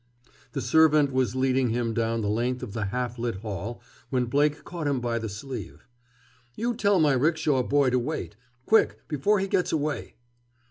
The servant was leading him down the length of the half lit hall when Blake caught him by the sleeve. "You tell my rickshaw boy to wait! Quick, before he gets away!"